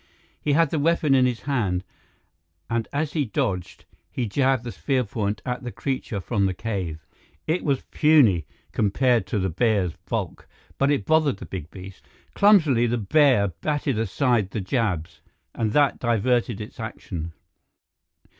He had the weapon in his hand, and as he dodged, he jabbed the spear point at the creature from the cave. It was puny compared to the bear's bulk, but it bothered the big beast. Clumsily, the bear batted aside the jabs, and that diverted its action.